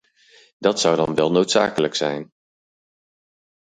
Dat zou dan wel noodzakelijk zijn.